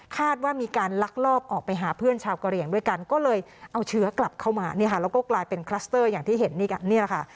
คาดว่ามีการลักลอบไปหาเพื่อนชาวกะเหลี่ยงด้วยกันก็เลยเอาเชื้อกลับเข้ามาแล้วก็กลายเป็นคลิสเตอร์อย่างที่เห็นนี่ค่ะ